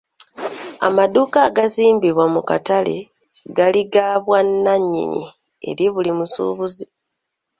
Amaduuka agaazimbibwa mu katale gaali ga bwannannyini eri buli musuubuzi.